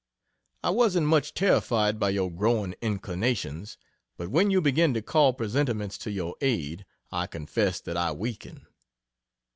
I wasn't much terrified by your growing inclinations, but when you begin to call presentiments to your aid, I confess that I "weaken."